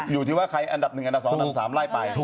อยู่ที่ว่าใครอันดับ๑อันดับ๒อันดับ๓ไล่ไป